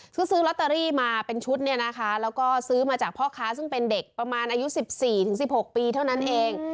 ซึ่งซื้อลอตเตอรี่มาเป็นชุดเนี่ยนะคะแล้วก็ซื้อมาจากพ่อค้าซึ่งเป็นเด็กประมาณอายุ๑๔๑๖ปีเท่านั้นเอง